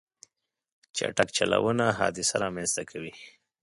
چټک چلوونه حادثه رامنځته کوي.